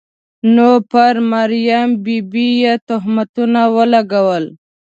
نو پر مریم بي بي یې تهمتونه ولګول.